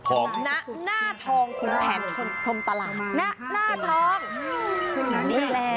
ของแผ่นชนธรรมตลาดน่าทองนี่แหละ